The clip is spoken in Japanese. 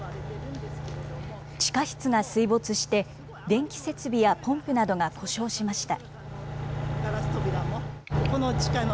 地下室が水没して、電気設備やポンプなどが故障しました。